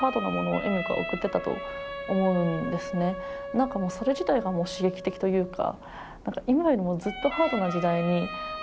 何かもうそれ自体がもう刺激的というか。